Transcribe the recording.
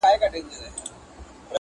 د هر چا په لاس کي خپله عریضه وه٫